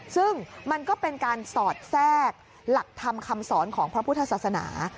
ซึ่งมันก็เป็นการสอดแทรกหลักธรรมคำสอนของพระพุทธศาสนา